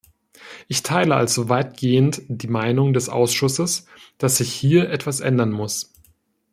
Ich teile also weitgehend die Meinung des Ausschusses, dass sich hier etwas ändern muss.